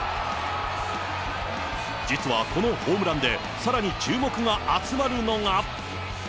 実はこのホームランで、さらに注目が集まるのが。